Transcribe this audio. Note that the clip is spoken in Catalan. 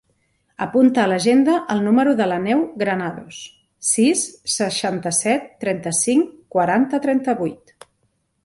Apunta a l'agenda el número de l'Aneu Granados: sis, seixanta-set, trenta-cinc, quaranta, trenta-vuit.